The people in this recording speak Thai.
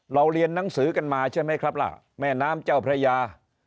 เรียนหนังสือกันมาใช่ไหมครับล่ะแม่น้ำเจ้าพระยา